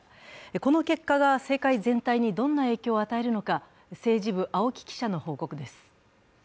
この結果が政界全体にどんな影響を与えるのか政治部・青木記者の報告です。